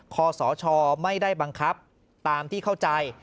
ขอสชไม่ได้บังคับตามที่เข้าใจ